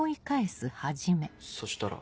そしたら。